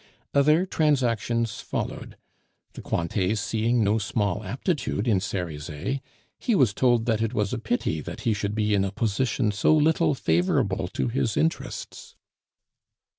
Other transactions followed; the Cointets seeing no small aptitude in Cerizet, he was told that it was a pity that he should be in a position so little favorable to his interests.